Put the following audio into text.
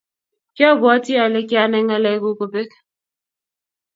kiabwatii ale kianai ngalekuk kobek.